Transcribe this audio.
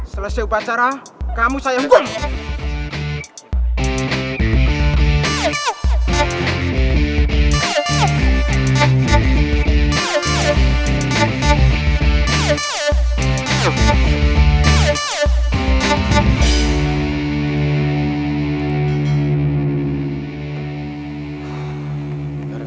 selesai upacara kamu saya